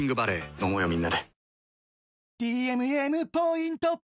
飲もうよみんなで。